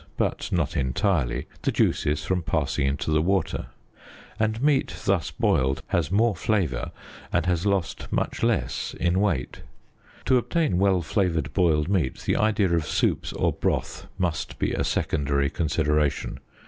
but not entirely, the juices from passingintothe water, and meat thus boiled has more flavour and has lost much less in weight. To obtain well flavoured boiled meat the idea of soups or broth must be a secondary consideration.